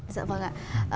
dạ vâng ạ